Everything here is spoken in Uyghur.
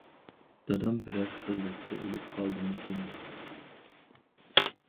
دادام« بىرەر خىلۋەتتە ئۆلۈپ قالدىمىكىن» دەيدۇ.